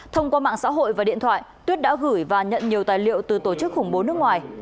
thông qua mạng xã hội và điện thoại tuyết đã gửi và nhận nhiều tài liệu từ tổ chức khủng bố nước ngoài